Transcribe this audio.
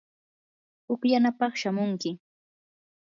pukllanapaq shamunki.